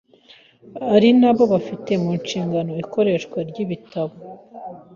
ari nabo bafite mu nshingano ikoreshwa ry’ibi bitabo